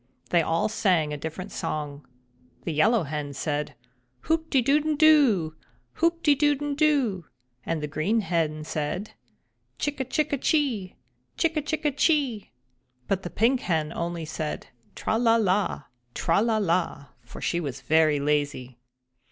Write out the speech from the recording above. They all sang a different song. The Yellow Hen said: "Hoop de dooden do! Hoop de dooden doo!" and the Green Hen said: "Chick a chick chee! Chick a chick chee!" But the Pink Hen only said "Tra la la! Tra la la!" for she was very lazy.